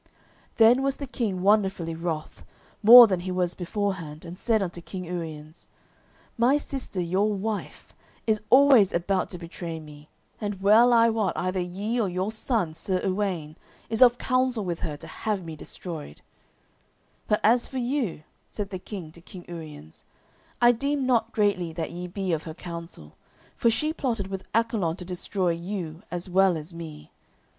Then was the King wonderfully wroth, more than he was beforehand, and said unto King Uriens, "My sister, your wife, is alway about to betray me, and well I wot either ye or your son Sir Uwaine is of counsel with her to have me destroyed; but as for you," said the King to King Uriens, "I deem not greatly that ye be of her counsel, for she plotted with Accolon to destroy you as well as me.